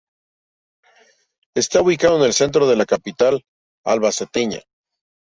Está ubicado en el Centro de la capital albaceteña.